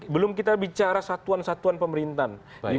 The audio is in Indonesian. belum kita bicara satuan satuan pemerintahan